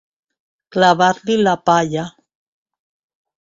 Clavar-li la palla.